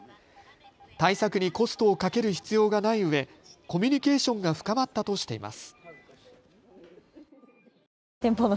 対策にコストをかける必要がないうえコミュニケーションが深まったとしています。